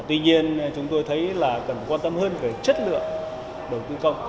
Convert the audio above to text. tuy nhiên chúng tôi thấy là cần quan tâm hơn về chất lượng